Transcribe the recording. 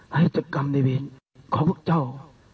หัตกรรมในเวรของพวกเจ้า